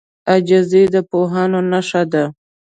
عاجزي د پوهانو نښه ده.